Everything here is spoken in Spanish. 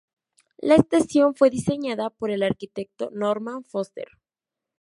La estación fue diseñada por el arquitecto Norman Foster.